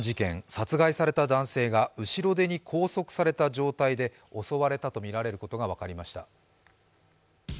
殺害された男性が後ろ手に拘束された状態で襲われたとみられることが分かりました。